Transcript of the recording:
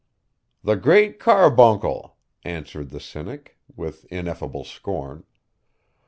'The Great Carbuncle!' answered the Cynic, with ineffable scorn.